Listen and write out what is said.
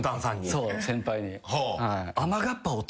そう先輩に。